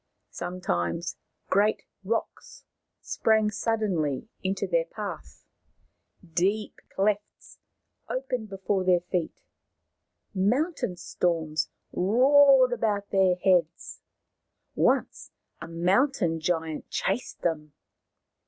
Sometimes great rocks sprang suddenly into their path ; deep clefts opened before their feet ; mountain storms roared about their heads ; once a moun tain giant chased them.